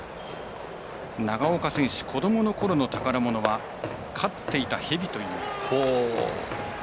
長岡選手子どもの頃の宝物は飼っていたヘビという。